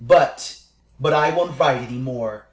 "But "But I won't write any more.